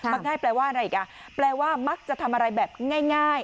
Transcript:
มักง่ายแปลว่าอะไรอีกอ่ะแปลว่ามักจะทำอะไรแบบง่าย